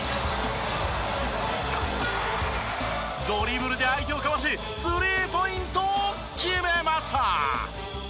ドリブルで相手をかわしスリーポイントを決めました！